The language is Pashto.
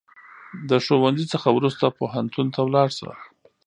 د ښوونځي څخه وروسته پوهنتون ته ولاړ سه